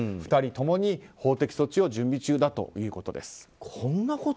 ２人ともに法的措置を準備中だということです。